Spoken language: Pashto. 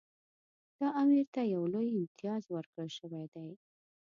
دا امیر ته یو لوی امتیاز ورکړل شوی دی.